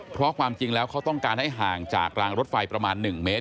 เพราะความจริงแล้วเขาต้องการให้ห่างจากรางรถไฟประมาณ๑เมตร